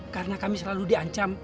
karena kami selalu diancam